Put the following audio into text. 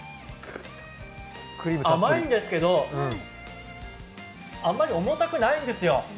甘いんですけど、あんまり重たくないんですよ。